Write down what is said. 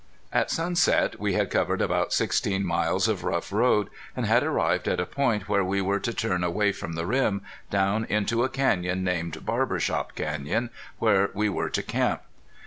At sunset we had covered about sixteen miles of rough road, and had arrived at a point where we were to turn away from the rim, down into a canyon named Barber Shop Canyon, where we were to camp.